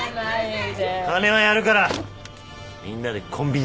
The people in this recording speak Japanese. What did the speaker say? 金はやるからみんなでコンビニ行ってこい。